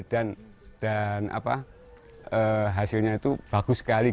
dan hasilnya itu bagus sekali